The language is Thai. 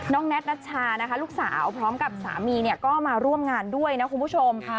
แน็ตนัชชานะคะลูกสาวพร้อมกับสามีก็มาร่วมงานด้วยนะคุณผู้ชม